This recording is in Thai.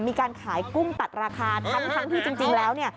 มีการขายกุ้งตัดราคาทั้งที่จริงแล้วเนี่ย